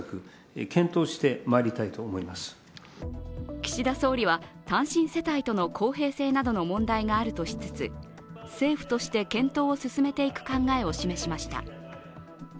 岸田総理は単身世帯との公平性などの問題があるとしつつ政府として検討を進めていく考えを示しました。